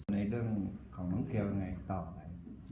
ในเรื่องของน้องเกียวยังไงต่อไป